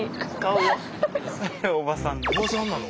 おばさんなの？